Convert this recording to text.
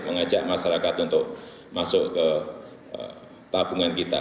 mengajak masyarakat untuk masuk ke tabungan kita